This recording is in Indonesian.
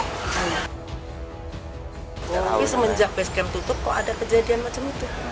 tapi semenjak base camp tutup kok ada kejadian macam itu